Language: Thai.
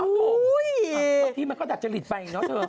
ตอนที่ม่ันก็จะดัดจาลิดไปเองเนาะเธอ